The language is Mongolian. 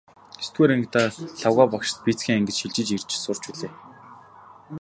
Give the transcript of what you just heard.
Есдүгээр ангидаа Лхагва багштай физикийн ангид шилжин ирж сурч билээ.